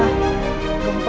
gempa nya untuk jemput